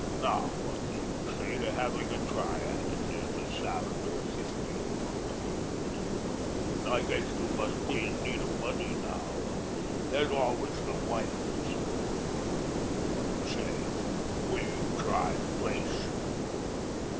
Now, what do you say to having a try at it? There's a salary of fifty a month goes with it. I guess you must be in need of money now, and there's always the wife to support; what do you say? Will you try the place?"